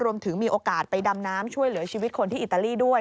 มีโอกาสไปดำน้ำช่วยเหลือชีวิตคนที่อิตาลีด้วย